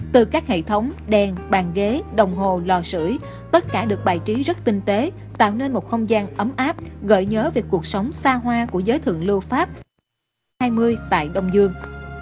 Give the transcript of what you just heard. từ các hệ thống đèn bàn ghế đồng hồ lò sửa tất cả được bài trí rất tinh tế tạo nên một không gian ấm áp gợi nhớ về cuộc sống xa hoa của giới thượng lưu pháp hai mươi tại đông dương